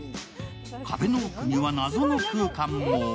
壁の奥には謎の空間も。